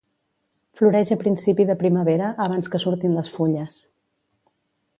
Floreix a principi de primavera abans que surtin les fulles.